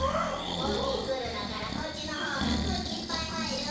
おおきいツルだからこっちのほうがくうきいっぱいはいるわべ。